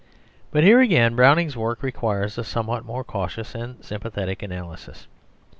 But here again Browning's work requires a somewhat more cautious and sympathetic analysis.